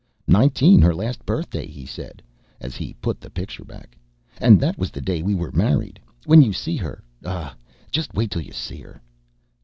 "Nineteen her last birthday," he said, as he put the picture back; "and that was the day we were married. When you see her ah, just wait till you see her!"